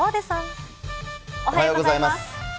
おはようございます。